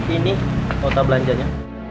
ini kota belanjanya